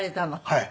はい。